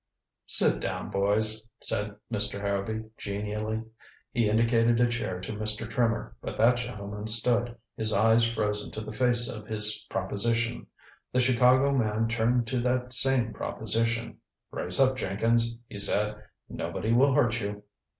"Sit down, boys," said Mr. Harrowby genially. He indicated a chair to Mr. Trimmer, but that gentleman stood, his eyes frozen to the face of his proposition. The Chicago man turned to that same proposition. "Brace up, Jenkins," he said. "Nobody will hurt you."